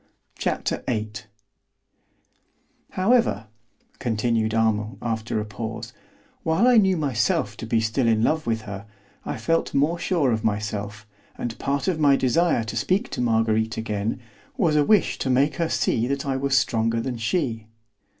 Chapter VIII However (continued Armand after a pause), while I knew myself to be still in love with her, I felt more sure of myself, and part of my desire to speak to Marguerite again was a wish to make her see that I was stronger than she.